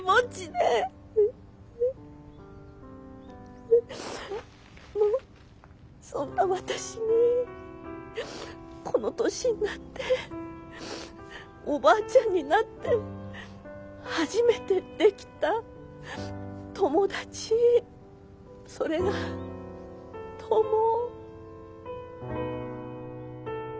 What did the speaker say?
でもそんな私にこの年になっておばあちゃんになって初めて出来た友達それがトモ。